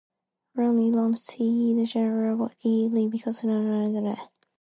"Rooney" Lee, son of General Robert E. Lee, became McClellan's base of operations.